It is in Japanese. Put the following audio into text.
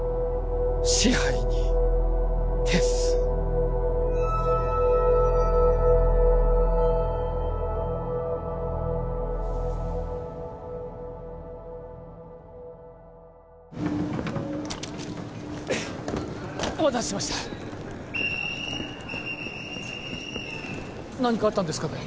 紙背に徹すお待たせしました何かあったんですかね